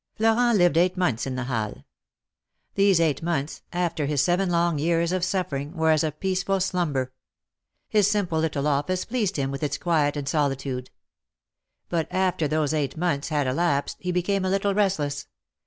Florent lived eight months in the Halles. These eight months, after his seven long years of suffering, were as a peaceful slumber. His simple little office pleased him with its quiet and solitude. But after these eight months had elapsed, he became a little restless.